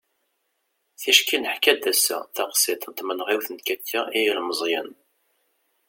ticki neḥka-d ass-a taqsiḍt n tmenɣiwt n katia i yilmeẓyen